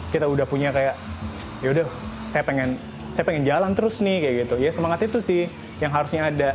kita udah punya kayak yaudah saya pengen jalan terus nih kayak gitu ya semangat itu sih yang harusnya ada